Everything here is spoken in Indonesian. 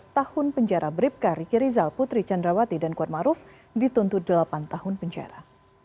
tujuh belas tahun penjara bribka riki rizal putri candrawati dan kuatmaruf dituntut delapan tahun penjara